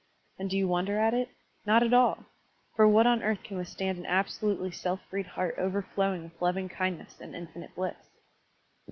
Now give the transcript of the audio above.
And do you wonder at it? Not at all! For what on earth can withstand an absolutely self freed heart overflowing with loving kindness and infinite bliss?